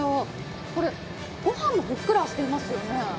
ご飯がふっくらしてますよね。